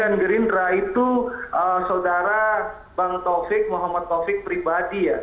itu bukan green drive itu saudara bang taufik muhammad taufik pribadi ya